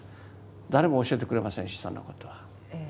誰も教えてくれませんしそんなことは。